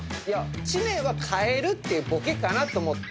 知念は変えるっていうボケかなと思って。